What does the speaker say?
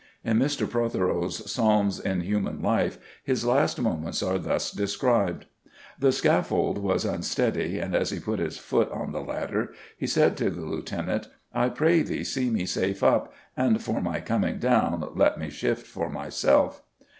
In Mr. Prothero's Psalms in Human Life his last moments are thus described: "The scaffold was unsteady, and, as he put his foot on the ladder, he said to the Lieutenant, 'I pray thee see me safe up, and for my coming down let me shift for myself.